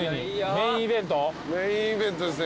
メインイベントですね。